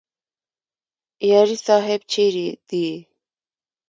یاري صاحب چیرې دی؟